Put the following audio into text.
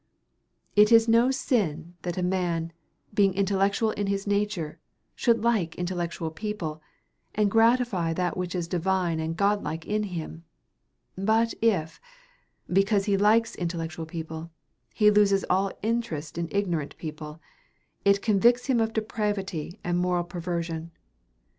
It is no sin that a man, being intellectual in his nature, should like intellectual people, and gratify that which is divine and God like in him; but if, because he likes intellectual people, he loses all interest in ignorant people, it convicts him of depravity and of moral perversion.